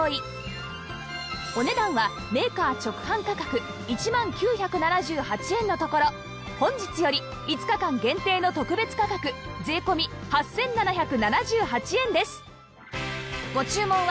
お値段はメーカー直販価格１万９７８円のところ本日より５日間限定の特別価格税込８７７８円です